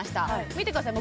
見てください